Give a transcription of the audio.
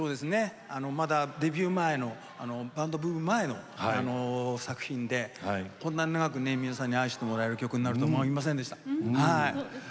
まだデビュー前のバンドブーム前の作品でこんなに長く皆さんに愛してもらえるとは思いませんでした。